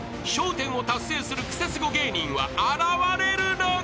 １０を達成するクセスゴ芸人は現れるのか？］